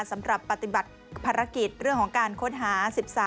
สำหรับปฏิบัติภารกิจเรื่องของการค้นหา๑๓